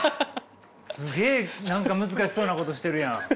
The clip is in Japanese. すげえ何か難しそうなことしてるやん。